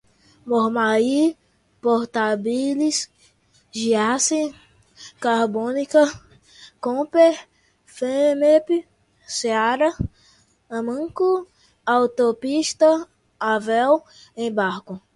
Mormaii, Portabilis, Giassi, Carboquímica, Comper, Femepe, Seara, Amanco, Autopista, Avell, Embraco